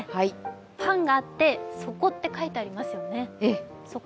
パンがあって底って書いてありますね。